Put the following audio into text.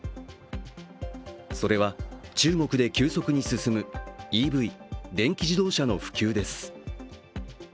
それは、中国で急速に進むＥＶ＝電気自動車の普及です。